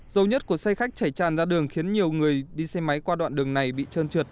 dầu nhất của xe khách chảy tràn ra đường khiến nhiều người đi xe máy qua đoạn đường này bị trơn trượt